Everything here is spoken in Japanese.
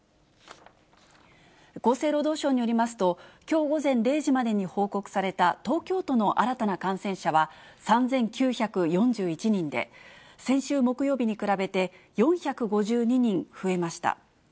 厚生労働省によりますと、きょう午前０時までに報告された東京都の新たな感染者は、３９４１人で、先週木曜日に比べて４５２人増えました。